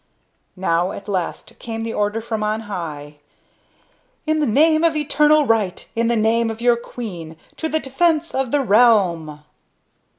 Now at last came the order from on high: "In the name of eternal right, in the name of your queen, to the defense of the realm!"